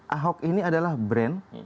ahok ini adalah brand